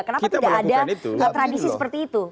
kenapa tidak ada tradisi seperti itu